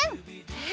え！